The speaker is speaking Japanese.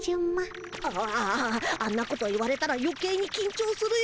ああああんなこと言われたらよけいにきんちょうするよ。